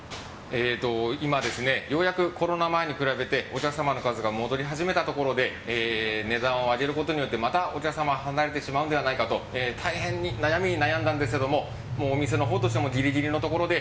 今、ようやくコロナ前に比べてお客様の数が戻り始めたところで値段を上げることによってまたお客様が離れてしまうのではと大変、悩みに悩んだんですけどお店のほうとしてもギリギリのところで